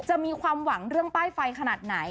มีความหวังเรื่องป้ายไฟขนาดไหน